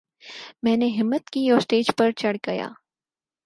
میں نے ہمت کی اور سٹیج پر چڑھ گیا